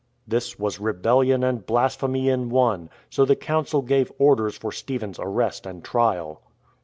This was rebellion and blasphemy in one, so the Council gave orders for Stephen's arrest and trial.